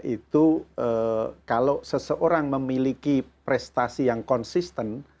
itu kalau seseorang memiliki prestasi yang konsisten